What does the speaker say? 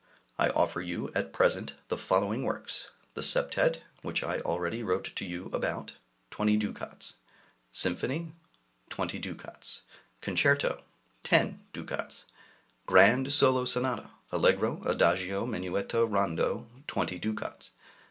I offer you at present the following works: The Septet (which I already wrote to you about), 20 ducats; Symphony, 20 ducats; Concerto, 10 ducats; Grand Solo Sonata, allegro, adagio, minuetto, rondo, 20 ducats.